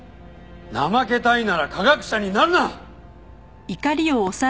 怠けたいなら科学者になるな！